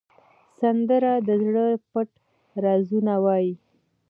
سندره د زړه پټ رازونه وایي